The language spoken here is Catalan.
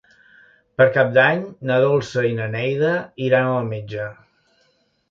Per Cap d'Any na Dolça i na Neida iran al metge.